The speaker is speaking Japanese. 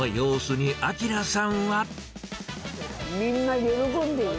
みんな喜んでる。